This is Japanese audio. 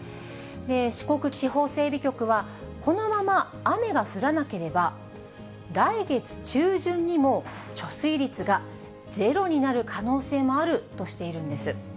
四国地方整備局は、このまま雨が降らなければ、来月中旬にも貯水率がゼロになる可能性もあるとしているんです。